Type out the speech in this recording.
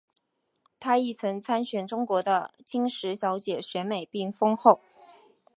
她亦曾参选中国的金石小姐选美并封后。